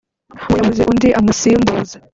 ngo yabuze undi amusimbuza